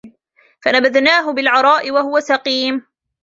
فَنَبَذْنَاهُ بِالْعَرَاءِ وَهُوَ سَقِيمٌ